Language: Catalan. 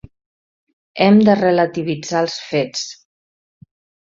Hem de relativitzar els fets.